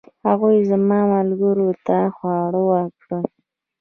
هغوی زما ملګرو ته خواړه ورکړل.